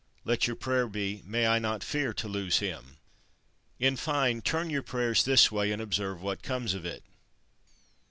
Let your prayer be: "May I not fear to lose him!" In fine, turn your prayers this way, and observe what comes of it.